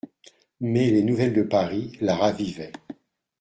Mais les nouvelles de Paris la ravivaient.